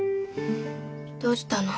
どうしたの？